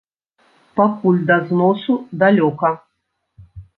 Пакуль да зносу далёка.